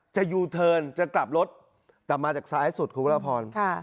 ยูเทิร์นจะกลับรถแต่มาจากซ้ายสุดคุณพระพร